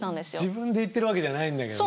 自分で言ってるわけじゃないんだけどね。